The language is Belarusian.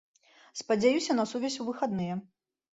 Спадзяюся на сувязь у выхадныя.